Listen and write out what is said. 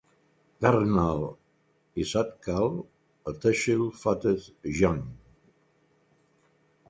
Dhurnal i Sadkal a Tehsil Fateh Jang.